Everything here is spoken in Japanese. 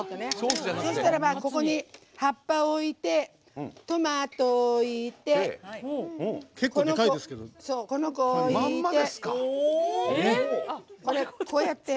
そしたら、ここに葉っぱを置いてトマトを置いてこの子、置いて。